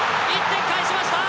１点返しました！